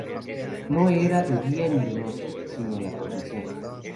No era de día ni de noche, sino el atardecer.